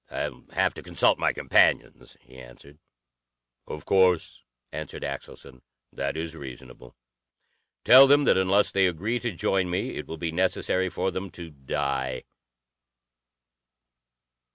"I'll have to consult my companions," he answered. "Of course," answered Axelson. "That is reasonable. Tell them that unless they agree to join me it will be necessary for them to die.